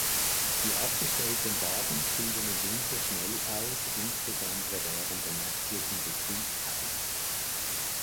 Die abgestellten Wagen kühlen im Winter schnell aus, insbesondere während der nächtlichen Betriebspause.